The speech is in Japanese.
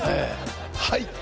はい。